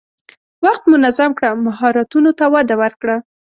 وخت منظم کړه، مهارتونو ته وده ورکړه.